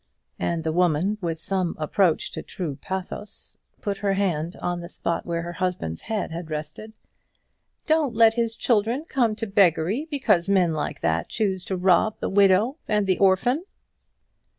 and the woman, with some approach to true pathos, put her hand on the spot where her husband's head had rested. "Don't let his children come to beggary because men like that choose to rob the widow and the orphan."